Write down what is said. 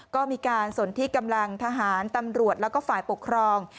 ก็มีการสนที่กำลังทหารตำรวจแล้วก็ฝ่ายปกครอง